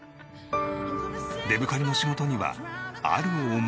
デブカリの仕事にはある思いが。